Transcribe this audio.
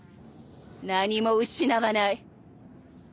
何も失わない。